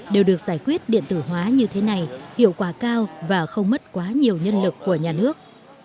đều được giải quyết điện tử hóa như thế này hiệu quả cao và không mất quá nhiều nhân lực của nhà nước